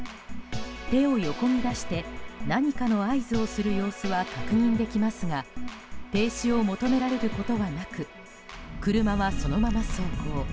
手を横に出して、何かの合図をする様子は確認できますが停止を求められることはなく車はそのまま走行。